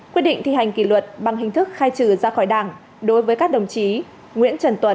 quyết định thi hành kỷ luật bằng hình thức khai trừ ra khỏi đảng đối với các đồng chí nguyễn trần tuấn